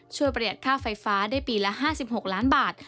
ประหยัดค่าไฟฟ้าได้ปีละ๕๖ล้านบาท